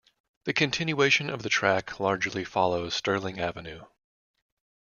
The continuation of the track largely follows Sterling Avenue.